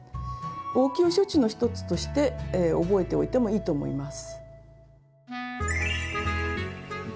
応急処置の１つとして覚えておいてもいいと思います。